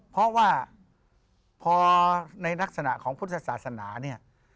เพราะว่าพอในลักษณะของพุทธศาสนาเนี่ย